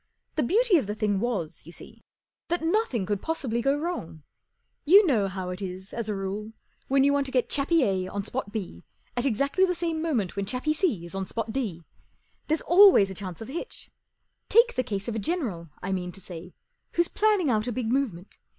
The beauty of the thing was, you see, that nothing could possihly go wrong. You t\ know how it is, as a rule, when you %vant to get Chappie A on Spot B at exactly the same moment w hen Chappie C is on Spot D, There's always a chance of a hitch. Take the case of a general, I mean to say, who's plan¬ ning out a big movement.